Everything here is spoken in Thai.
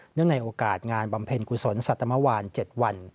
เนื่องในโอกาสงานบำเพ็ญกุศลสัตว์ธรรมวาล๗วัน